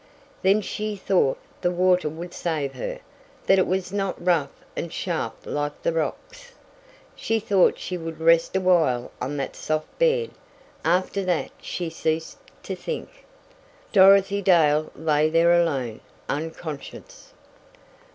Then she thought the water would save her; that it was not rough and sharp like the rocks! She thought she would rest awhile on that soft bed! After that she ceased to think! Dorothy Dale lay there alone, unconscious!